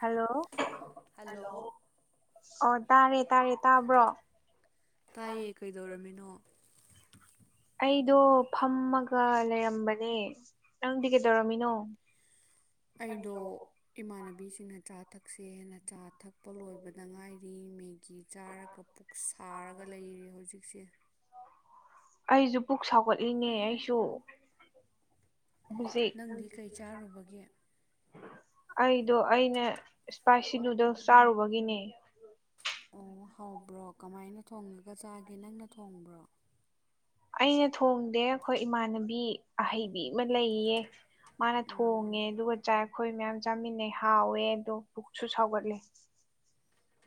Hello hello hello ꯑꯣ ꯇꯥꯔꯦ ꯇꯥꯔꯦ ꯇꯥꯕ꯭ꯔꯣ ꯇꯥꯏꯌꯦ ꯀꯩꯗꯧꯔꯝꯃꯤꯅꯣ ꯑꯩꯗꯣ ꯐꯝꯃꯒ ꯂꯩꯔꯝꯕꯅꯦ ꯅꯪꯗꯤ ꯀꯩꯗꯧꯔꯝꯃꯤꯅꯣ ꯑꯩꯗꯣ ꯏꯃꯥꯟꯅꯕꯤꯁꯤꯡꯅ ꯆꯥ ꯊꯛꯁꯦꯍꯩꯅ ꯆꯥ ꯊꯛꯄ ꯂꯣꯏꯕꯗ ꯉꯥꯏꯔꯤ ꯃꯦꯒꯤ ꯆꯥꯔꯒ ꯄꯨꯛ ꯁꯥꯔꯒ ꯂꯩꯔꯤ ꯍꯧꯖꯤꯛꯁꯦ ꯑꯩꯖꯨ ꯄꯨꯛ ꯁꯥꯎꯒꯠꯂꯤꯅꯦ ꯑꯩꯁꯨ ꯍꯧꯖꯤꯛ ꯅꯪꯗꯤ ꯀꯩ ꯆꯥꯔꯨꯕꯒꯤ ꯑꯩꯗꯣ ꯑꯩꯅ ꯏꯁꯄꯥꯏꯁꯤ ꯅꯨꯗꯜꯁ ꯆꯥꯔꯨꯕꯒꯤꯅꯦ ꯑꯣ ꯍꯕ꯭ꯔꯣ ꯀꯃꯥꯏꯅ ꯊꯣꯡꯉꯒ ꯆꯥꯒꯦ ꯅꯪꯅ ꯊꯣꯡꯕ꯭ꯔꯣ ꯑꯩꯅ ꯊꯣꯡꯗꯦ ꯑꯩꯈꯣꯏ ꯏꯃꯥꯟꯅꯕꯤ ꯑꯍꯩꯕꯤ ꯑꯃ ꯂꯩꯏꯌꯦ ꯃꯥꯅ ꯎꯝ ꯊꯣꯡꯉꯦ ꯑꯗꯨꯒ ꯆꯥꯏ ꯑꯩꯈꯣꯏ ꯃꯌꯥꯝ ꯆꯥꯃꯤꯟꯅꯩ ꯍꯥꯎꯋꯦ ꯑꯗꯣ ꯄꯨꯛꯁꯨ ꯁꯥꯎꯒꯠꯂꯤ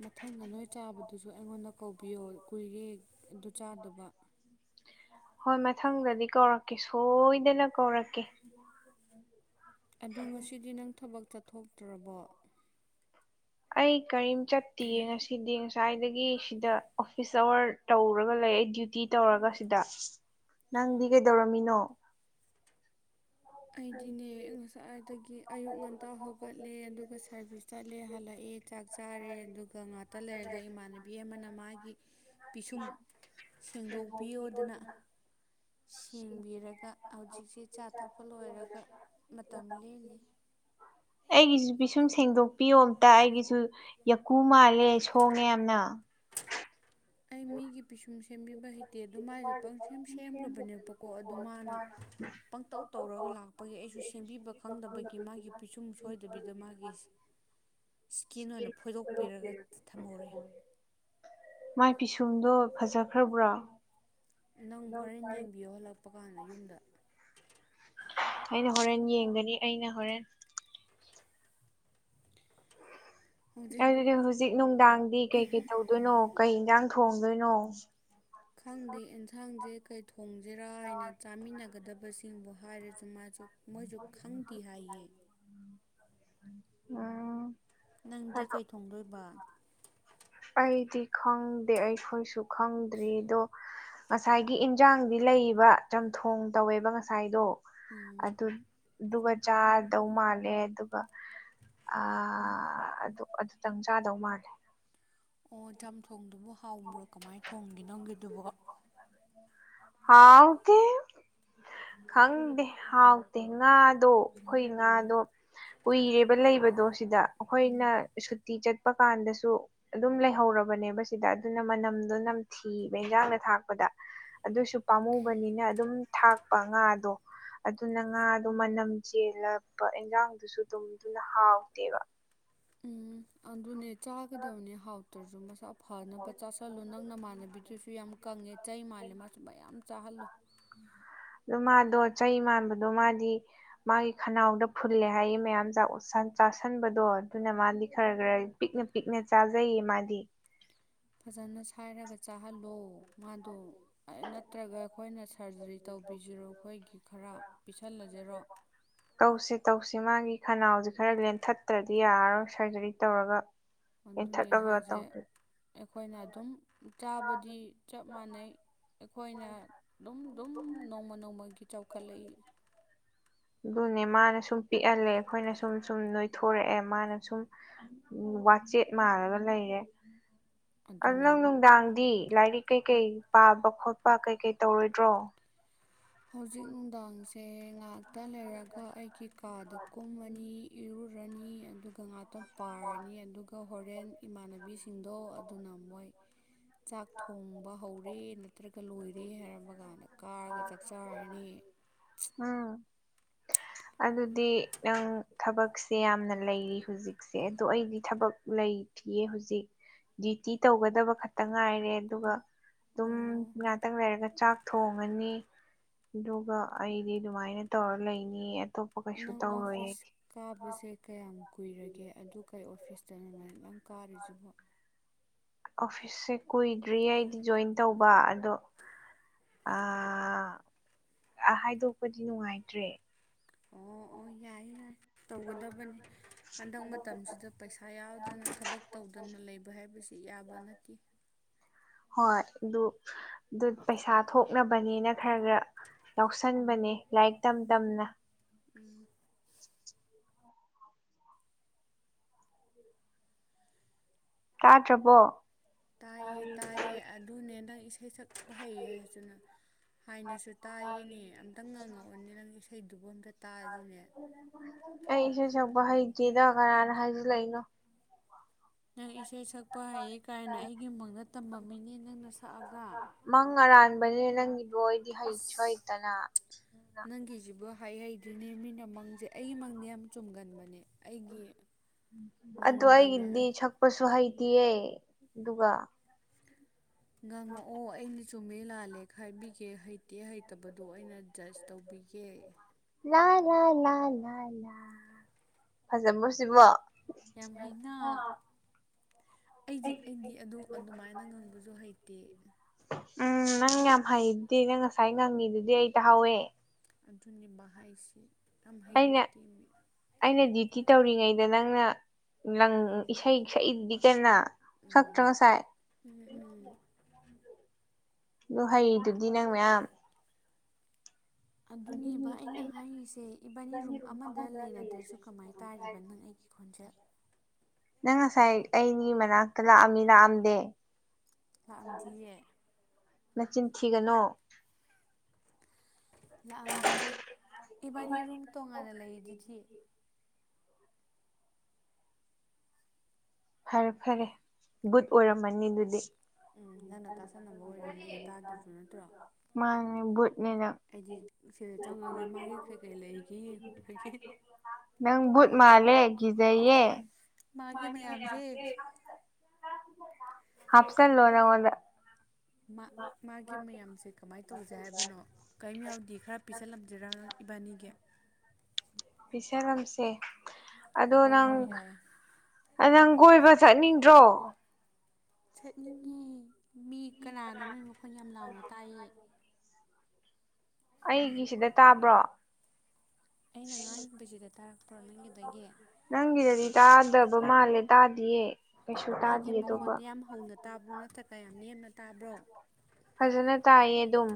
ꯃꯊꯪꯗ ꯅꯣꯏ ꯆꯥꯕꯗꯨꯁꯨ ꯑꯩꯉꯣꯟꯗ ꯀꯧꯕꯤꯌꯣ ꯀꯨꯏꯔꯦ ꯑꯗꯨ ꯆꯥꯗꯕ ꯍꯣꯏ ꯃꯊꯪꯗꯗꯤ ꯀꯧꯔꯛꯀꯦ ꯁꯣꯏꯗꯅ ꯀꯧꯔꯛꯀꯦ ꯑꯗꯣ ꯉꯁꯤꯗꯤ ꯅꯪ ꯊꯕꯛ ꯆꯠꯊꯣꯛꯇ꯭ꯔꯕꯣ ꯑꯩ ꯀꯔꯤꯝ ꯆꯠꯇꯤꯌꯦ ꯉꯁꯤꯗꯤ ꯉ ꯁꯥꯏꯗꯒꯤ ꯁꯤꯗ ꯑꯣꯐꯤꯁ ꯑꯋꯥꯔ ꯇꯧꯔꯒ ꯂꯩ ꯑꯩ ꯗ꯭ꯌꯨꯇꯤ ꯇꯧꯔꯒ ꯁꯤꯗ ꯅꯪꯗꯤ ꯀꯩꯗꯧꯔꯝꯃꯤꯅꯣ ꯑꯩꯗꯤꯅꯦ ꯉꯁꯥꯏꯗꯒꯤ ꯑꯌꯨꯛ ꯉꯟꯇꯥ ꯍꯧꯒꯠꯂꯦ ꯑꯗꯨꯒ ꯁꯥꯔꯚꯤꯁ ꯆꯠꯂꯦ ꯍꯜꯂꯛꯑꯦ ꯆꯥꯛ ꯆꯥꯔꯦ ꯑꯗꯨꯒ ꯉꯥꯛꯇ ꯂꯩꯔꯒ ꯏꯃꯥꯟꯅꯕꯤ ꯑꯃꯅ ꯃꯥꯒꯤ ꯄꯤꯁꯨꯝ ꯁꯦꯡꯗꯣꯛꯄꯤꯌꯣꯗꯅ ꯁꯦꯡꯕꯤꯔꯒ ꯍꯧꯖꯤꯛꯁꯦ ꯆꯥ ꯊꯛꯄ ꯂꯣꯏꯔꯒ ꯃꯇꯝ ꯂꯦꯜꯂꯤ ꯑꯩꯒꯤꯁꯨ ꯄꯤꯁꯨꯝ ꯁꯦꯡꯗꯣꯛꯄꯤꯌꯣ ꯑꯝꯇ ꯑꯩꯒꯤꯁꯨ ꯌꯀꯨ ꯃꯥꯜꯂꯦ ꯁꯣꯡꯉꯦ ꯌꯥꯝꯅ ꯑꯩ ꯃꯤꯒꯤ ꯄꯤꯁꯨꯝ ꯁꯦꯝꯕꯤꯕ ꯍꯩ ꯇꯦ ꯑꯗꯨ ꯃꯥꯏꯁꯨ ꯄꯪꯁꯦꯝ ꯁꯦꯝꯈ꯭ꯔꯕꯅꯦꯕꯀꯣ ꯑꯗꯨ ꯃꯥꯅ ꯄꯪꯇꯧ ꯇꯧꯔꯒ ꯂꯥꯛꯄꯒꯤ ꯑꯩꯁꯨ ꯁꯦꯝꯕꯤꯕ ꯈꯪꯗꯕꯒꯤ ꯃꯥꯒꯤ ꯄꯤꯁꯨꯝ ꯁꯣꯏꯗꯕꯤꯗ ꯃꯥꯒꯤ ꯏꯁꯀꯤꯟ ꯑꯣꯏꯅ ꯐꯣꯏꯗꯣꯛꯄꯤꯔꯒ ꯊꯝꯍꯧꯔꯦ ꯃꯥꯏ ꯄꯤꯁꯨꯝꯗꯣ ꯐꯖꯈ꯭ꯔꯕ꯭ꯔꯥ ꯎꯝ ꯅꯪ ꯍꯣꯔꯦꯟ ꯌꯦꯡꯕꯤꯌꯣ ꯍꯜꯂꯛꯄ ꯀꯥꯟꯗ ꯌꯨꯝꯗ ꯑꯩꯅ ꯍꯣꯔꯦꯟ ꯌꯦꯡꯒꯅꯤ ꯑꯩꯅ ꯍꯣꯔꯦꯟ ꯍꯧꯖꯤꯛ ꯑꯗꯨꯗꯤ ꯍꯧꯖꯤꯛ ꯅꯨꯡꯗꯥꯡꯗꯤ ꯀꯩꯀꯩ ꯇꯧꯗꯣꯏꯅꯣ ꯀꯩ ꯏꯟꯖꯥꯡ ꯊꯣꯡꯗꯣꯏꯅꯣ ꯈꯪꯗꯦ ꯑꯦꯟꯁꯥꯡꯁꯦ ꯀꯩ ꯊꯣꯡꯁꯤꯔꯥ ꯍꯥꯏꯅ ꯆꯥꯃꯤꯟꯅꯒꯗꯕꯁꯤ ꯁꯤꯡꯕꯨ ꯍꯥꯏꯔꯁꯨ ꯃꯥꯁꯨ ꯃꯣꯏꯁꯨ ꯈꯪꯗꯦ ꯍꯥꯏꯌꯦ ꯎꯝ ꯅꯪꯗꯤ ꯍꯥꯏꯔꯛꯑꯣ ꯀꯩ ꯊꯣꯡꯗꯣꯏꯕ ꯑꯩꯗꯤ ꯈꯪꯗꯦ ꯑꯩꯈꯣꯏꯁꯨ ꯈꯪꯗ꯭ꯔꯤꯗꯣ ꯉꯁꯥꯏꯒꯤ ꯏꯟꯖꯥꯡꯗꯤ ꯂꯩꯕ ꯆꯝꯊꯣꯡ ꯇꯧꯋꯦꯕ ꯉꯁꯥꯏꯗꯣ ꯎꯝ ꯑꯗꯨ ꯑꯗꯨꯒ ꯆꯥꯗꯧ ꯃꯥꯜꯂꯦ ꯑꯗꯨꯒ ꯑꯥ ꯑꯗꯨ ꯑꯗꯨꯇꯪ ꯆꯥꯗꯧ ꯃꯥꯜꯂꯦ ꯑꯣ ꯆꯝꯊꯣꯡꯗꯨꯕꯨ ꯍꯥꯎꯕ꯭ꯔꯣ ꯀꯃꯥꯏꯅ ꯊꯣꯡꯒꯦ ꯅꯪꯒꯤꯗꯨꯕꯣ ꯍꯥꯎ ꯇꯦ ꯈꯪꯗꯦ ꯍꯥꯎꯇꯦ ꯉꯥꯗꯣ ꯑꯈꯣꯏꯒꯤ ꯎꯝ ꯉꯥꯗꯣ ꯀꯨꯏꯔꯦꯕ ꯂꯩꯕꯗꯣ ꯁꯤꯗ ꯑꯈꯣꯏꯅ ꯎꯝ ꯁꯨꯇꯤ ꯆꯠꯄ ꯀꯥꯟꯗꯁꯨ ꯑꯗꯨꯝ ꯂꯩꯍꯧꯔꯕꯅꯦꯕ ꯁꯤꯗ ꯑꯗꯨꯅ ꯃꯅꯝꯗꯣ ꯅꯝꯊꯤꯕ ꯏꯟꯖꯥꯡꯗ ꯊꯥꯛꯄꯗ ꯑꯗꯨꯁꯨ ꯄꯥꯝꯃꯨꯕꯅꯤꯅ ꯑꯗꯨꯝ ꯊꯥꯛꯄ ꯉꯥꯗꯣ ꯑꯗꯨꯅ ꯉꯥꯗꯣ ꯃꯅꯝ ꯆꯦꯜꯂꯛꯄ ꯏꯟꯖꯥꯡꯗꯨꯁꯨ ꯗꯨꯝ ꯑꯗꯨꯅ ꯍꯥꯎꯇꯦꯕ ꯎꯝ ꯑꯗꯨꯅꯦ ꯆꯥꯒꯗꯕꯅꯦ ꯍꯥꯎꯇ꯭ꯔꯁꯨ ꯃꯁꯥ ꯐꯅꯕ ꯆꯥꯥꯁꯜꯂꯨ ꯅꯪ ꯅꯃꯥꯟꯅꯕꯤꯗꯨꯁꯨ ꯌꯥꯝ ꯀꯪꯉꯦ ꯆꯩ ꯃꯥꯜꯂꯦ ꯃꯥꯁꯨ ꯃꯌꯥꯝ ꯆꯥꯍꯜꯂꯨ ꯑꯗꯣ ꯃꯥꯗꯣ ꯆꯩ ꯃꯥꯟꯕꯗꯣ ꯃꯥꯗꯤ ꯃꯥꯒꯤ ꯈꯅꯥꯎꯗ ꯐꯨꯜꯂꯦ ꯍꯥꯏꯌꯦ ꯃꯌꯥꯝ ꯆꯥ ꯑꯣꯁꯟ ꯆꯥꯁꯟꯕꯗꯣ ꯑꯗꯨꯅ ꯃꯥꯗꯤ ꯈꯔ ꯈꯔ ꯄꯤꯛꯅ ꯄꯤꯛꯅ ꯆꯥꯖꯩꯌꯦ ꯃꯥꯗꯤ ꯐꯖꯅ ꯁꯥꯏꯔꯒ ꯆꯥꯍꯜꯂꯣ ꯃꯥꯗꯣ ꯑꯥꯏ ꯅꯠꯇ꯭ꯔꯒ ꯑꯩꯈꯣꯏꯅ ꯁꯔꯖꯔꯤ ꯇꯧꯕꯤꯁꯤꯔꯣ ꯑꯩꯈꯣꯏꯒꯤ ꯈꯔ ꯄꯤꯁꯜꯂꯁꯤꯔꯣ ꯇꯧꯁꯤ ꯇꯧꯁꯤ ꯃꯥꯒꯤ ꯈꯅꯥꯎꯁꯤ ꯈꯔ ꯂꯦꯟꯊꯠꯇ꯭ꯔꯗꯤ ꯌꯥꯔꯔꯣꯏ ꯁꯔꯖꯔꯤ ꯇꯧꯔꯒ ꯑꯗꯨꯅꯤ ꯂꯦꯡꯊꯠꯂꯒ ꯍꯥꯏꯁꯦ ꯇꯧꯗꯦ ꯑꯩꯈꯣꯏꯅ ꯑꯗꯨꯝ ꯆꯥꯕꯗꯤ ꯆꯞ ꯃꯥꯟꯅꯩ ꯑꯩꯈꯣꯏꯅ ꯗꯨꯝ ꯗꯨꯝ ꯅꯣꯡꯃ ꯅꯣꯡꯃꯒꯤ ꯆꯥꯎꯈꯠꯂꯛꯏ ꯑꯗꯨꯅꯦ ꯃꯥꯅ ꯁꯨꯝ ꯄꯤꯛꯍꯜꯂꯦ ꯑꯩꯈꯣꯏꯅ ꯁꯨꯝ ꯁꯨꯝ ꯅꯣꯏꯊꯣꯔꯛꯑꯦ ꯃꯥꯅ ꯁꯨꯝ ꯎꯝ ꯋꯥꯆꯦꯠ ꯃꯥꯜꯂꯒ ꯂꯩꯔꯦ ꯑꯗꯨ ꯅꯪ ꯑꯗꯨꯅꯦꯕ ꯅꯨꯡꯗꯥꯡꯗꯤ ꯂꯥꯏꯔꯤꯛ ꯀꯩꯀꯩ ꯄꯥꯕ ꯈꯣꯠꯄ ꯀꯩꯀꯩ ꯇꯧꯔꯣꯏꯗ꯭ꯔꯣ ꯍꯧꯖꯤꯛ ꯅꯨꯡꯗꯥꯡꯁꯦ ꯉꯥꯛꯇ ꯂꯩꯔꯒ ꯑꯩꯒꯤ ꯀꯥꯗ ꯀꯨꯝꯃꯅꯤ ꯏꯔꯨꯔꯅꯤ ꯑꯗꯨꯒ ꯉꯥꯥꯛꯇꯪ ꯄꯥꯔꯅꯤ ꯑꯗꯨꯒ ꯍꯣꯔꯦꯟ ꯏꯃꯥꯟꯅꯕꯤꯁꯤꯡꯗꯣ ꯑꯗꯨꯅ ꯃꯣꯏ ꯆꯥꯛ ꯊꯣꯡꯕ ꯍꯧꯔꯦ ꯅꯠꯇ꯭ꯔꯒ ꯂꯣꯏꯔꯦ ꯍꯥꯏꯔꯝꯕ ꯀꯥꯟꯗ ꯀꯥꯔꯒ ꯆ ꯆꯥꯔꯅꯤ ꯎꯝ [inaudible] ꯑꯗꯨꯗꯤ ꯅꯪ ꯊꯕꯛꯁꯦ ꯌꯥꯝꯅ ꯂꯩꯔꯤ ꯍꯧꯖꯤꯛꯁꯦ ꯑꯗꯣ ꯑꯩꯗꯤ ꯊꯕꯛ ꯂꯩ ꯊꯤꯌꯦ ꯍꯧꯖꯤꯛ ꯗ꯭ꯌꯨꯇꯤ ꯇꯧꯒꯗꯕ ꯈꯛꯇ ꯉꯥꯏꯔꯦ ꯑꯗꯨꯒ ꯑꯗꯨꯝ ꯑꯣ ꯇꯪ ꯂꯩꯔꯒ ꯆꯥꯛ ꯊꯣꯡꯉꯅꯤ ꯑꯗꯨꯒ ꯑꯩꯗꯤ ꯑꯗꯨꯃꯥꯏꯅ ꯇꯧꯔ ꯂꯩꯅꯤ ꯑꯇꯣꯞꯄ ꯀꯩꯁꯨ ꯅꯪ ꯇꯧꯔꯣꯏꯌꯦ ꯑꯣꯐꯤꯁ ꯀꯥꯕꯁꯦ ꯀꯌꯥꯃꯨꯛ ꯀꯨꯏꯔꯒꯦ ꯑꯗꯨ ꯀꯩ ꯑꯣꯐꯤꯁꯇꯅꯤ ꯅꯪ ꯀꯥꯔꯤꯖꯤꯕꯣ ꯑꯣꯐꯤꯁꯁꯦ ꯀꯨꯏꯗ꯭ꯔꯤ ꯑꯩꯗꯤ ꯖꯣꯏꯟ ꯇꯧꯕ ꯑꯗꯣ ꯑ ꯑ ꯍꯥꯏꯗꯣꯛꯄꯗꯤ ꯅꯨꯡꯉꯥꯏꯇ꯭ꯔꯦ ꯑꯣ ꯑꯣꯏ ꯌꯥꯏ ꯌꯥꯏ ꯇꯧꯒꯗꯕꯅꯤ ꯍꯟꯗꯛ ꯃꯇꯝꯁꯤꯗ ꯄꯩꯁꯥ ꯌꯥꯎꯗꯅ ꯊꯕꯛ ꯇꯧꯗꯅ ꯂꯩꯕ ꯍꯥꯏꯕꯁꯤ ꯌꯥꯕ ꯅꯠꯇꯦ ꯍꯣꯏ ꯗꯨ ꯑꯗꯨ ꯄꯩꯁꯥ ꯊꯣꯛꯅꯕꯅꯦꯅ ꯈꯔ ꯈꯔ ꯌꯥꯎꯁꯟꯕꯅꯦ ꯂꯥꯏꯔꯤꯛ ꯇꯝ ꯇꯝꯅ ꯎꯝ ꯇꯗꯔꯥꯕꯣ ꯇꯥꯏꯌꯦ ꯇꯥꯏꯌꯦ ꯑꯗꯨꯅꯦ ꯅꯪ ꯏꯁꯩ ꯁꯛꯄ ꯍꯩꯌꯦ ꯍꯥꯏꯆꯨꯅ ꯍꯥꯏꯅꯁꯨ ꯇꯥꯏꯌꯦꯅꯦ ꯑꯝꯇ꯭ꯪ ꯉꯪꯉꯛꯑꯣꯅꯦ ꯅꯪ ꯏꯁꯩꯗꯨꯕꯨ ꯑꯝꯇ ꯇꯥꯁꯤꯅꯦ ꯑꯩ ꯏꯁꯩ ꯁꯛꯄ ꯍꯩꯇꯦꯗ ꯀꯅꯥꯅ ꯍꯥꯏꯖꯤꯜꯂꯛꯏꯅꯣ ꯅꯪ ꯏꯁꯩ ꯁꯛꯄ ꯍꯥꯏꯌꯦ ꯀꯥꯏꯅ ꯑꯩꯒꯤ ꯃꯡꯗ ꯇꯝꯃꯃꯤꯅꯦ ꯅꯪꯅ ꯁꯛꯑꯒ ꯃꯪ ꯑꯔꯥꯟꯕꯅꯦ ꯅꯪꯒꯤꯗꯣ ꯑꯩꯗꯤ ꯑꯁ ꯍꯩꯁꯨ ꯍꯩꯇꯅ ꯅꯪꯒꯤꯁꯤꯕꯨ ꯍ ꯍꯩꯗꯣꯏꯅꯦ ꯃꯤꯅ ꯃꯪꯁꯦ ꯑꯩꯒꯤ ꯃꯪꯗꯤ ꯌꯥꯝ ꯆꯨꯝꯒꯟꯕꯅꯦ ꯑꯩꯒꯤ ꯑꯗꯨ ꯃꯪꯗꯤꯅꯦ ꯑꯩꯒꯤꯗꯤ ꯁꯛꯄꯁꯨ ꯍꯩꯇꯤꯌꯦ ꯑꯗꯨꯒ ꯉꯥꯡꯉꯛꯑꯣ ꯑꯩ ꯆꯨꯝꯃꯦ ꯂꯥꯜꯂꯦ ꯈꯥꯏꯕꯤꯒꯦ ꯍꯩꯇꯦ ꯍꯩꯇꯕꯗꯣ ꯑꯩꯅ ꯖꯁ ꯇꯧꯕꯤꯒꯦ ꯂ ꯂ ꯂ ꯂ ꯂ ꯐꯖꯃ꯭ꯔꯨꯁꯤꯕꯣ ꯌꯥꯝ ꯍꯩꯅ ꯑꯩꯗꯤ ꯑꯩꯗꯤ ꯑꯗꯣ ꯑꯗꯨꯃꯥꯏꯅ ꯉꯪꯕꯖꯨ ꯍꯩꯇꯦ ꯎꯝ ꯅꯪ ꯌꯥꯝ ꯍꯩꯗꯤ ꯅꯪ ꯉꯁꯥꯏ ꯉꯪꯉꯤꯗꯨꯗꯤ ꯑꯩ ꯇꯥꯍꯥꯎꯋꯦ ꯑꯗꯨꯅꯤ ꯃꯥꯏꯁꯤ ꯌꯥꯝ ꯑꯩꯅ ꯍꯩꯇꯦꯝꯃꯦ ꯑꯩꯅ ꯗ꯭ꯌꯨꯇꯤ ꯇꯧꯔꯤꯉꯩꯗ ꯅꯪꯅ ꯂꯪ ꯏꯁꯩ ꯁꯛꯏꯗꯨꯅꯤ ꯀꯅ ꯎꯝ ꯁꯛꯇ꯭ꯔ ꯉꯁꯥꯏ ꯎꯝ ꯎꯝ ꯂꯨ ꯍꯩꯔꯤꯗꯨꯗꯤ ꯅꯪ ꯃꯌꯥꯝ ꯑꯗꯨꯅꯦꯕ ꯑꯩꯅ ꯍꯥꯏꯔꯤꯁꯦ ꯏꯕꯥꯅꯤ ꯔꯨꯝ ꯑꯃꯗ ꯂꯩꯅꯗ꯭ꯔꯁꯨ ꯀꯃꯥꯏꯅ ꯇꯥꯔꯤꯕ ꯅꯪ ꯑꯩꯒꯤ ꯈꯣꯟꯖꯦꯜ ꯅꯪ ꯉꯁꯥꯏ ꯑꯩꯅꯤ ꯃꯅꯥꯛ ꯉꯛꯇ ꯂꯥꯛꯑꯝꯃꯤ ꯂꯥꯛꯑꯝꯗꯦ ꯂꯥꯛꯑꯝꯗꯤꯌꯦ ꯃꯆꯤꯟ ꯊꯤꯒꯅꯨ ꯂꯥꯛꯑꯝꯗꯤꯌꯦ ꯏꯕꯥꯅꯤ ꯔꯨꯝ ꯇꯣꯉꯥꯟꯅ ꯂꯩꯔꯤꯗꯨꯗꯤ ꯐꯔꯦ ꯐꯔꯦ ꯕꯨꯠ ꯑꯣꯏꯔꯝꯃꯅꯤ ꯑꯗꯨꯗꯤ ꯎꯝ ꯅꯪꯅ ꯇꯥꯁꯟꯅꯕ ꯑꯣꯏꯔꯝꯅꯤꯌꯦ ꯇꯥꯗ꯭ꯔꯁꯨ ꯅꯠꯇ꯭ꯔꯣ ꯃꯥꯅꯦ ꯚꯨꯠꯅꯦ ꯅꯪꯪ ꯑꯩꯗꯤ ꯁꯤꯗ ꯆꯪꯉꯒꯦ ꯃꯥꯒꯤ ꯀꯩꯀꯩ ꯂꯩꯒꯦ ꯍꯦꯡꯎꯔꯒꯦ ꯅꯪ ꯕꯨꯠ ꯃꯥꯂꯦ ꯀꯤꯖꯩꯌꯦ ꯃꯥꯒꯤꯦ ꯃꯌꯥꯝꯁꯦ ꯍꯥꯞꯁꯤꯜꯂꯣ ꯅꯪꯉꫭꯟꯗ ꯃꯥ ꯃꯥꯒꯤ ꯃꯌꯥꯝꯁꯦ ꯀꯃꯥꯏꯅ ꯇꯧꯁꯦ ꯍꯥꯏꯕꯅꯣ ꯀꯩꯝ ꯌꯥꯎꯗꯤ ꯈꯔ ꯄꯤꯁꯜꯂꯝꯁꯤꯔꯥ ꯏꯕꯥꯅꯤꯒꯤ ꯄꯤꯁꯜꯂꯝꯁꯦ ꯑꯗꯣ ꯍꯣꯏ ꯅꯪ ꯍꯣꯏ ꯌꯥꯏꯌꯦ ꯅꯪ ꯀꯣꯏꯕ ꯆꯠꯅꯤꯡꯗ꯭ꯔꯣ? ꯆꯠꯅꯤꯡꯉꯦ ꯃꯤ ꯀꯅꯥꯅꯣ ꯃꯣꯏ ꯃꯈꯣꯟ ꯌꯥꯝ ꯂꯥꯎꯅ ꯇꯥꯏꯍꯦ ꯑꯩꯒꯤꯁꯤꯗ ꯇꯥꯕ꯭ꯔꯣ ꯁꯤꯗ ꯇꯥꯔꯛꯄꯔꯥ ꯅꯪꯒꯤꯁꯦ ꯅꯪꯒꯤꯗꯗꯤ ꯇꯥꯗꯕ ꯃꯥꯜꯂꯦ ꯇꯥꯗꯤꯌꯦ ꯀꯩꯁꯨ ꯇꯥꯗꯦ ꯑꯩꯒꯤ ꯑꯇꫭꯞꯄ ꯃꯈꯣꯟꯗ ꯌꯥꯝ ꯍꯧꯅ ꯇꯥꯕ꯭ꯔꯣ ꯅꯠꯇ꯭ꯔꯒ ꯀꯌꯥ ꯅꯦꯝꯅ ꯇꯥꯕ꯭ꯔꯣ? ꯐꯖꯅ ꯇꯥꯏꯌꯦ ꯑꯗꯨꯝ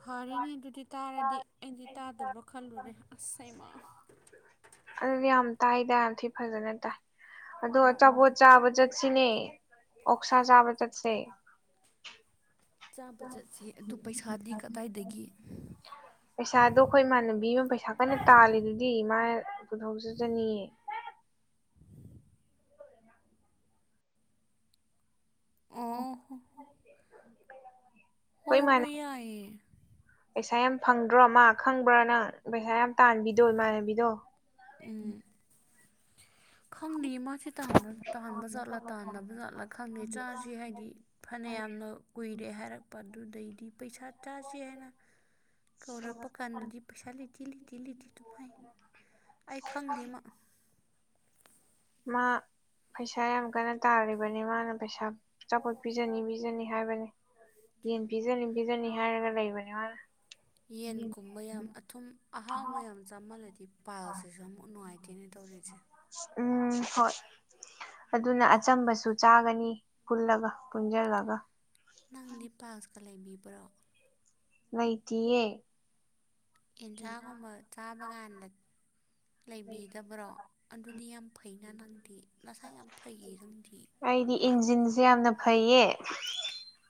ꯐꯔꯅꯦ ꯑꯗꯨꯗꯤ ꯇꯥꯔꯗꯤ ꯑꯩꯗꯤ ꯇꯥꯗꯕ ꯈꯜꯂꯨꯔꯦ ꯑꯁ ꯍꯩꯃꯥ ꯑꯗꯨꯗꯤ ꯌꯥꯝ ꯇꯥꯏ ꯇ ꯌꯥꯝ ꯊꯤ ꯐꯖꯅ ꯇꯥꯏ ꯑꯗꯣ ꯑꯣ ꯑꯆꯥꯄꯣꯠ ꯆꯥꯕ ꯆꯠ ꯁꯤꯅꯦ ꯑꯣꯛꯁꯥ ꯆꯥꯕ ꯆꯠꯁꯦ ꯆꯥꯕ ꯆꯠꯁꯦ ꯑꯗꯨ ꯄꯩꯁꯥꯗꯤ ꯀꯗꯥꯏꯗꯒꯤ ꯄꯩꯁꯥꯗꯣ ꯑꯩꯈꯣꯏ ꯏꯃꯥꯟꯅꯕꯤ ꯑꯃ ꯄꯩꯁꯥ ꯀꯟꯅ ꯇꯥꯜꯂꯤꯗꯨꯗꯤ ꯃꯥ ꯄꯨꯊꯣꯛꯆꯆꯅꯤꯑꯦ ꯑꫭ ꯑꯩꯈꯣꯏ ꯍꯣꯏ ꯏꯃꯥꯟꯅ ꯍꫭꯏ ꯌꯥꯌꯦ ꯄꯩꯁꯥ ꯌꯥꯝ ꯐꯪꯗ꯭ꯔꯣ ꯃꯥ ꯈꯪꯕ꯭ꯔꯥ ꯅꯪ ꯄꯩꯁꯥ ꯌꯥꯝ ꯇꯥꯟꯕꯤꯗꯣ ꯏꯃꯥꯟꯅꯕꯤꯗꯣ ꯎꯝ ꯈꯪꯗꯦ ꯃꯥꯁꯤ ꯇꯥꯥꯟꯕ ꯖꯥꯠꯂꯥ ꯇꯥꯟꯗꯕ ꯖꯥꯠꯂꯥ ꯈꯪꯗꯦ ꯆꯥꯥꯁꯦ ꯍꯥꯏꯗꯤ ꯐꯅ ꯌꯥꯝꯅ ꯀꯨꯏꯔꯦ ꯍꯥꯏꯔꯛꯄ ꯑꯗꯨꯗꯩꯗꯤ ꯄꯩꯁꯥ ꯆꯥꯥꯁꯦ ꯍꯥꯏꯅ ꯀꯧꯔꯛꯄ ꯀꯥꯟꯗꯗꯤ ꯄꯩꯁꯥ ꯂꯩꯇꯤ ꯂꯩꯇꯤ ꯂꯩꯇꯤ ꯑꯗꯨꯝ ꯍꯥꯏ ꯑꯩ ꯈꯪꯗꯦ ꯃꯥ ꯃꯥ ꯄꯩꯁꯥ ꯌꯥꯝ ꯀꯟꯅ ꯇꯥꯜꯂꯤꯕꯅꯤ ꯃꯥꯅ ꯄꯩꯁꯥ ꯑꯆꯥꯄꫭꯠ ꯄꯤꯖꯅꯤ ꯄꯤꯖꯅꯤ ꯍꯥꯏꯕꯅꯦ ꯌꯦꯟ ꯄꯤꯖꯅꯤ ꯄꯤꯖꯅꯤ ꯍꯥꯏꯔꯒ ꯂꯩꯕꯅꯦ ꯃꯥꯅ ꯌꯦꯟꯒꯨꯝꯕ ꯌꯥꯝ ꯑꯊꯨꯝ ꯑꯍꯥꯎꯕ ꯌꯥꯝ ꯆꯥꯃꯜꯂꯗꯤ ꯄꯥꯏꯜꯁꯤꯁꯨ ꯑꯃꯨꯛ ꯅꯨꯡꯉꯥꯏꯇꯦꯅꯦ ꯇꯧꯔꯤꯁꯦ ꯎꯝ ꯍꯣꯏ ꯑꯗꯨꯅ ꯑꯆꯝꯕꯁꯨ ꯆꯥꯒꯅꯤ ꯄꯨꯜꯂꯒ ꯄꯨꯟꯁꯤꯜꯂꯒ ꯅꯪꯗꯤ ꯄꯥꯜꯁꯀ ꯂꯩꯕꯤꯕ꯭ꯔꯣ ꯂꯩꯏꯇꯤꯌꯦ ꯑꯦꯟꯁꯥꯡꯒꯨꯝꯕ ꯆꯥꯕ ꯀꯥꯟꯗ ꯂꯩꯕꯤꯗꯕ꯭ꯔꯣ ꯑꯗꯨꯗꯤ ꯌꯥꯝ ꯐꯩꯅ ꯅꯪꯗꯤ ꯅꯁꯥ ꯌꯥꯝ ꯐꯩꯌꯦ ꯅꯪꯗꯤ ꯑꯩꯗꯤ ꯏꯟꯖꯤꯟꯁꯦ ꯌꯥꯝꯅ ꯐꯩꯌꯦ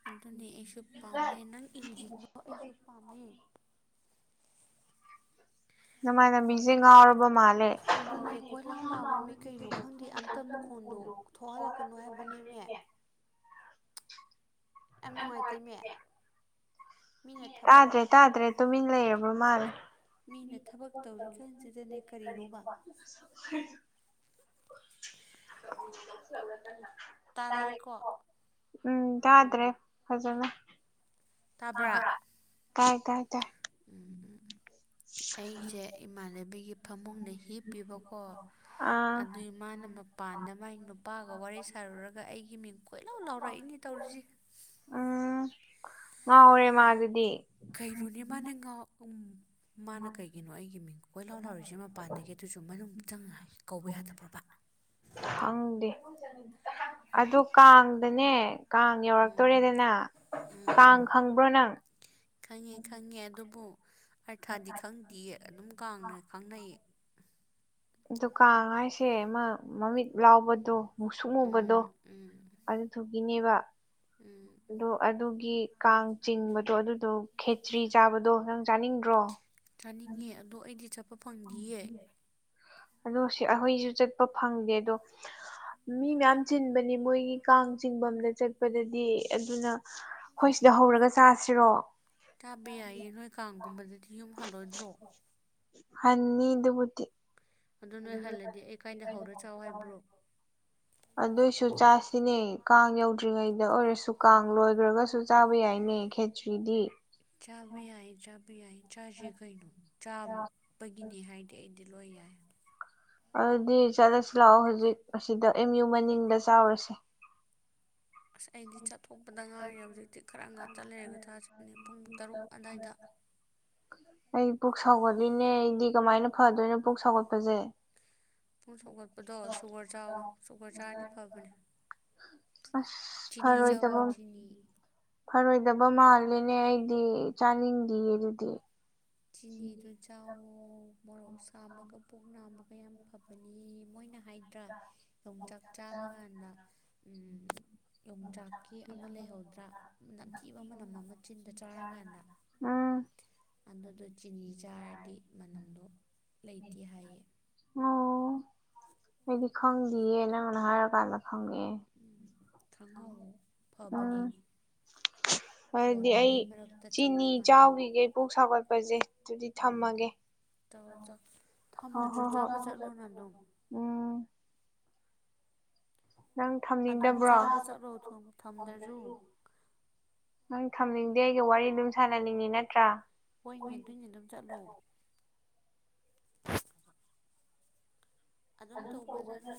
ꯑꯗꯨꯗꯤ ꯑꯩꯁꯨ ꯄꯥꯝꯃꯦ ꯅꯪ ꯏꯟꯖꯤꯟꯗꯨꯃꯛ ꯑꯩꯁꯨ ꯄꯥꯝꯃꯦ ꯅꯃꯥꯟꯅꯕꯤꯁꯦ ꯉꯥꯎꯔꯕ ꯃꯥꯜꯂꯦ ꯑꯗꯨꯅꯦ ꯀꯣꯏ ꯂꯥꯎ ꯂꯥꯎꯋꯦ ꯃꯤ ꯀꯩꯅꯣ ꯈꯪꯗꯦ ꯑꯝꯇ ꯃꯈꯣꯟꯗꫭ ꯊꯣꯛꯍꯜꯂꯛꯀꯅꯣ ꯍꯥꯏꯕꯅꯦꯃꯦ ꯌꯥꯝ ꯅꯨꯡꯉꯥꯏꯇꯦꯃꯦ ꯃꯤꯅ ꯊꯕꯛ ꯇꯥꯗ꯭ꯔꯦ ꯇꯥꯗ꯭ꯔꯦ ꯇꯨꯃꯤꯟ ꯂꯩꯔꯕ ꯃꯥꯜꯂꯦ ꯃꯤꯅ ꯊꯕꯛ ꯇꯧꯔꯤ ꯀꯥꯟꯁꯤꯗꯅꯦ ꯀꯔꯤꯅꯣꯕ [inaudible] ꯇꯥꯔꯛꯑꯦꯀꯣ [inaudible] ꯎꯝ ꯇꯥꯗ꯭ꯔꯦ꯫ ꯐꯖꯅ꯫ ꯇꯥꯕ꯭ꯔꯥ ꯇꯥꯏ ꯇꯥꯏ ꯇꯥꯏ ꯎꯝ ꯎꯝ ꯑꯩꯁꯦ ꯏꯃꯥꯟꯅꯕꯤꯒꯤ ꯐꯃꯨꯡꯗ ꯍꯤꯞꯄꯤꯕꯀꯣ꯫ ꯑꯥ ꯑꯗꯨꯏ ꯃꯥꯅ ꯃꯄꯥꯟꯗ ꯃꯥꯏ ꯅꯨꯄꯥꯒ ꯋꯥꯔꯤ ꯁꯥꯔꯨꯔꯒ ꯑꯩꯒꯤ ꯃꯤꯡ ꯀꯣꯏꯂꯥꯎ ꯂꯥꯎꯔꯛꯏꯅꯤ꯫ ꯇꯧꯔꯤꯁꯤ꯫ ꯎꯝ ꯉꯥꯎꯔꯦ ꯃꯥ ꯑꯗꯨꯗꯤ꯫ ꯀꯩꯅꯣꯅꯦ ꯃꯥꯅꯦ ꯉꯥꯎ ꯎꯝ ꯃꯥꯅ ꯀꯩꯒꯤꯅꯣ ꯑꯩꯒꯤ ꯃꯤꯡ ꯀꯣꯏ ꯂꯥꯎ ꯂꯥꯎꯔꯤꯁꯦ ꯃꯄꯥꯟꯗꯒꯤ ꯑꯗꯨꯁꯨ ꯃꯅꯨꯡ ꯆꯪꯅ ꯀꯧꯕ ꯌꯥꯗꯕ꯭ꯔꯣꯕ꯫ ꯈꯪꯗꯦ ꯑꯗꯨ ꯀꯥꯡꯗꯅꯦ ꯀꯥꯡ ꯎꯝ ꯌꯧꯔꯛꯇꯣꯔꯦꯗꯅ ꯀꯥꯡ ꯈꯪꯕ꯭ꯔꯣ ꯅꯪ꯫ ꯈꯪꯉꯦ-ꯈꯪꯉꯦ ꯑꯗꯨꯕꯨ ꯑꯔꯊꯥꯗꯤ ꯈꯪꯗꯦꯌꯦ ꯑꯗꯨꯝ ꯀꯥꯡꯅ ꯈꯪꯅꯩꯌꯦ꯫ ꯑꯗꯨ ꯀꯥꯡ ꯍꯥꯏꯁꯦ ꯑꯃ ꯃꯃꯤꯠ ꯂꯥꯎꯕꯗꯣ ꯃꯨꯛꯁꯨꯛꯉꯨꯕꯗꯣ ꯎꯝ ꯎꯝ ꯑꯗꯨ ꯊꯨꯒꯤꯅꯦꯕ ꯎꯝ ꯑꯗꯣ ꯑꯗꯨꯒꯤ ꯀꯥꯡ ꯆꯤꯡꯕꯗꯣ ꯑꯗꯨꯗꯣ ꯈꯦꯇ꯭ꯔꯤ ꯆꯥꯕꯗꯣ ꯅꯪ ꯆꯥꯅꯤꯡꯗ꯭ꯔꯣ꯫ ꯆꯥꯅꯤꯡꯉꯦ ꯑꯗꯣ ꯑꯩꯗꯤ ꯆꯠꯄ ꯐꯪꯗꯤꯌꯦ꯫ ꯑꯗꯨ ꯁꯤ ꯑꯈꯣꯏꯁꯨ ꯆꯠꯄ ꯐꯪꯗꯦ ꯑꯗꯣ ꯃꯤ ꯃꯌꯥꯝ ꯆꯤꯟꯕꯅꯤ ꯃꯣꯏꯒꯤ ꯀꯥꯡ ꯆꯤꯡꯐꯝꯝꯗ ꯆꯠꯄꯗꯗꯤ ꯑꯗꯨꯅ ꯑꯩꯈꯣꯏ ꯁꯤꯗ ꯍꯧꯔꯒ ꯆꯥꯁꯤꯔꯣ [inaudible] ꯆꯥꯕ ꯌꯥꯏꯌꯦ ꯅꯣꯏ ꯀꯥꯡꯒꯨꯝꯕꯗꯗꯤ ꯌꯨꯝ ꯍꯜꯂꯣꯏꯗ꯭ꯔꯣ꯫ ꯍꯟꯅꯤ ꯗꯨꯕꯨꯗꯤ꯫ ꯑꯗꯨ ꯅꯣꯏ ꯍꯜꯂꯗꯤ ꯑꯩ ꯀꯥꯏꯗ ꯍꯧꯔ ꯆꯥꯎ ꯍꯥꯏꯕ꯭ꯔꯣ꯫ ꯑꯗꯨꯏꯁꯨ ꯆꯥꯁꯤꯅꯦ ꯀꯥꯡ ꯌꯧꯗ꯭ꯔꯤꯉꯩꯗ ꯑꯣꯏꯔꯁꯨ ꯀꯥꯡ ꯂꯣꯏꯈ꯭ꯔꯒꯁꯨ ꯆꯥꯕ ꯌꯥꯏꯅꯦ ꯈꯦꯠ ꯁ꯭ꯔꯤꯗꯤ꯫ ꯆꯥꯕ ꯌꯥꯏꯏ ꯆꯥꯕꯤ ꯌꯥꯏꯏ ꯆꯥꯁꯦ ꯀꯩꯅꯨ ꯆꯥꯕꯨ ꯄꯒꯤꯅꯤ ꯍꯥꯏꯗꯤ ꯑꯩꯗꯤ ꯂꯣꯏ ꯌꯥꯏ꯫ ꯑꯗꯨꯗꯤ ꯆꯠꯂꯁꯤ ꯂꯥꯛꯑꯣ ꯍꯧꯖꯤꯛ ꯑꯁꯤꯗ ꯑꯦꯝ ꯌꯨ ꯃꯅꯤꯡꯗ ꯆꯥꯎꯔꯁꯦ꯫ ꯑꯁ ꯑꯩꯗꯤ ꯆꯠꯊꯣꯛꯄꯗ ꯉꯥꯏꯔꯦ ꯍꯧꯖꯤꯛꯇꯤ ꯈꯔ ꯉꯥꯛꯇ ꯂꯩꯔꯒ ꯆꯥꯁꯤ ꯄꯨꯡ ꯇꯔꯨꯛ ꯑꯈꯥꯏꯗ꯫ ꯑꯩ ꯄꯨꯛ ꯁꯥꯎꯒꯠꯂꯤꯅꯦ ꯑꯩꯗꯤ ꯀꯃꯥꯏꯅ ꯐꯗꯣꯏꯅꯣ ꯄꯨꯛ ꯁꯥꯎꯒꯠꯄꯁꯦ꯫ ꯄꯨꯛ ꯁꯧꯒꯠꯄꯗꯣ ꯁꯨꯒꯔ ꯆꯥꯑꫭ ꯁꯨꯒꯔ ꯆꯥꯔꯗꯤ ꯐꯕꯅꯦ꯫ ꯆꯤꯅꯤ ꯆꯥꯎꯋꯣ ꯐꯔꫭꯏꯗꯕ ꯆꯤꯅꯤ ꯐꯔꯣꯏꯗꯕ ꯃꯥꯜꯂꯦꯅꯦ ꯑꯩꯗꯤ ꯆꯥꯅꯤꯡꯗꯤꯌꯦ ꯑꯗꯨꯗꯤ꯫ ꯆꯤꯅꯤꯗꯨ ꯆꯥꯎꯋꯣ ꯃꯣꯔꯣꯛ ꯁꯥꯕꯒ ꯄꯨꯛ ꯅꯥꯕꯒ ꯌꯥꯝ ꯐꯕꯅꯤ ꯃꯣꯏꯅ ꯍꯥꯏꯗ꯭ꯔꯥ ꯌꯣꯡꯆꯥꯛ ꯆꯥꯕ ꯉꯥꯟꯗ ꯎꯝ ꯌꯣꯡꯆꯥꯛꯀꯤ ꯑꯃ ꯂꯩꯍꯧꯗ꯭ꯔꯥ ꯅꯝꯊꯤꯕ ꯃꯅꯝ ꯑꯃ ꯆꯤꯟꯗ ꯆꯥꯔꯀꯥꯟꯗ꯫ ꯎꯝ ꯑꯗꯨꯗꯣ ꯆꯤꯅꯤ ꯆꯥꯔꯗꯤ ꯃꯅꯝꯗꯣ ꯂꯩꯇꯦ ꯍꯥꯏꯌꯦ꯫ ꯑꯣ ꯑꯩꯗꯤ ꯈꯪꯗꯦꯌꯦ ꯅꯪꯅ ꯍꯥꯏꯔ ꯀꯥꯟꯗ ꯈꯪꯉꯛꯑꯦ꯫ ꯎꯝ ꯈꯪꯍꯥꯎꯋꫭ ꯐꯕꯅꯦ꯫ ꯎꯝ ꯑꯗꯨꯗꯤ ꯑꯩ ꯃꯔꯛꯇ ꯆꯪꯕ ꯆꯤꯅꯤ ꯀꯥꯟꯗ ꯆꯥꯎꯈꯤꯒꯦ ꯄꯨꯛ ꯁꯧꯒꯠꯄꯁꯦ꯫ ꯑꯗꯨꯗꯤ ꯊꯝꯃꯒꯦ꯫ ꯇꯧ ꯆꫭ ꯍꯣ ꯊꯝꯗꯁꯨ ꯍꯣ ꯍꯣꯏ ꯆꯥꯕ ꯆꯠꯂꯣꯅ ꯑꯗꯨꯝ꯫ ꯎꯝ ꯅꯪ ꯑꯗꯨꯝ ꯊꯝꯅꯤꯡꯗꯕ꯭ꯔꯣ ꯆꯥꯕ ꯆꯠꯂꯣ ꯊꯨꯝ ꯊꯝꯗ꯭ꯔꯁꯨ [inaudible] ꯅꯪ ꯊꯝꯅꯤꯡꯗꯦ ꯑꯩꯒ ꯋꯥꯔꯤ ꯑꯗꯨꯝ ꯁꯥꯟꯅꯅꯤꯡꯉꯤ ꯅꯠꯇ꯭ꯔꯥ [inaudible] ꯍꯣꯏꯅꯦ ꯑꯗꯨꯏꯅꯦ ꯑꯗꯨꯝ ꯆꯠꯂꯣ ꯑꯗꯨꯝ ꯇꯧꯕ ꯆꯠꯂꯣ꯫